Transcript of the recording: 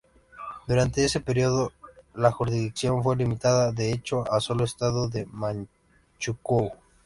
Durante ese período la jurisdicción fue limitada de hecho a solo estado de Manchukuo.